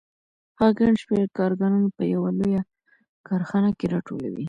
هغه ګڼ شمېر کارګران په یوه لویه کارخانه کې راټولوي